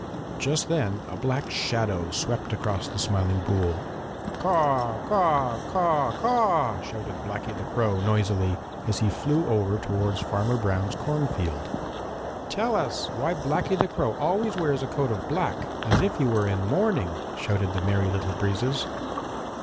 Just then a black shadow swept across the Smiling Pool. "Caw, caw, caw, caw!" shouted Blacky the Crow noisily, as he flew over toward Farmer Brown's cornfield. "Tell us why Blacky the Crow always wears a coat of black, as if he were in mourning," shouted the Merry Little Breezes.